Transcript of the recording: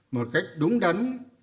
một cách đúng đắn